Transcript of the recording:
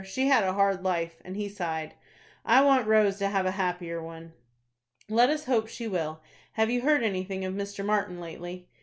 she had a hard life;" and he sighed. "I want Rose to have a happier one." "Let us hope she will. Have you heard anything of Mr. Martin lately?"